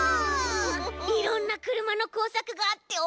いろんなくるまのこうさくがあっておもしろいな！